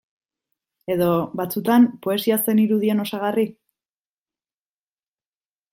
Edo, batzuetan, poesia zen irudien osagarri?